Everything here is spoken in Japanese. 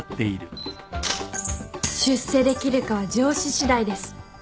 出世できるかは上司しだいです。